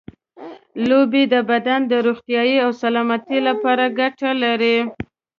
لوبې د بدن د روغتیا او سلامتیا لپاره ګټې لري.